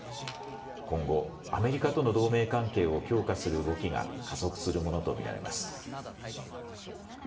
今後アメリカとの同盟関係を強化する動きが加速するものと見られます。